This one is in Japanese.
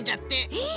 ええ。